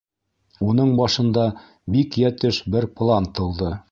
Уның башында бик йәтеш бер план тыуҙы.